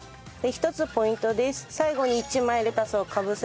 １つポイントです。